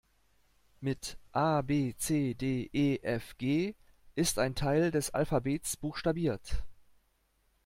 Mit A-B-C-D-E-F-G ist ein Teil des Alphabets buchstabiert!